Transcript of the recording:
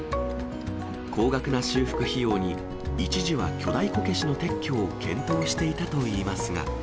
高額な修復費用に、一時は巨大こけしの撤去を検討していたといいますが。